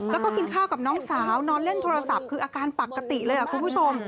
แล้วก็กินข้าวกับน้องสาวนอนเล่นโทรศัพท์คืออาการปกติเลยคุณผู้ชม